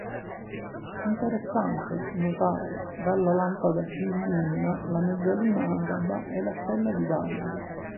Interessante notare dalla lampada si illumina la mezzaluna araba e la stella di David.